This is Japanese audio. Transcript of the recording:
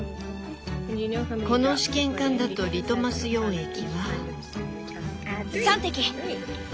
この試験管だとリトマス溶液は。